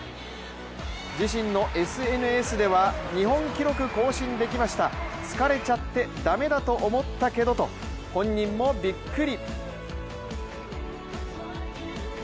自身のＳＮＳでは、日本記録更新できました疲れちゃってだめだと思ったけどと本人もびっくり。